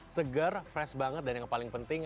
segar fresh banget dan yang paling penting